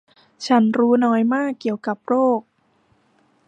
ฉันรู้น้อยมากเกี่ยวกับโลก !